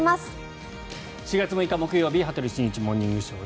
４月６日、木曜日「羽鳥慎一モーニングショー」。